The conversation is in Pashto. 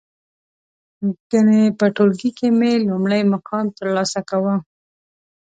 گني په ټولگي کې مې لومړی مقام ترلاسه کاوه.